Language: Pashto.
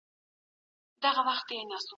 ایا بهرني سوداګر پسته ساتي؟